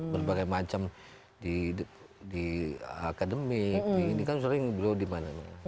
berbagai macam di akademik di ini kan sering beliau di mana mana